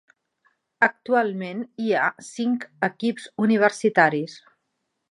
Actualment hi ha cinc equips universitaris.